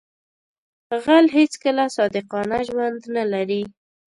غل هیڅکله صادقانه ژوند نه لري